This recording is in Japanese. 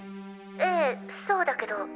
ええそうだけど？